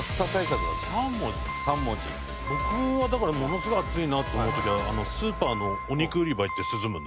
僕はだからものすごい暑いなって思う時はスーパーのお肉売り場行って涼むんですけど。